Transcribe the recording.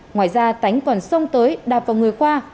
ngoài ra tánh còn xông tới đạp vào người khoa